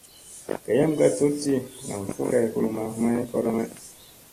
Gayam ka tuɗti nam fulli kay kulumma may koorda may.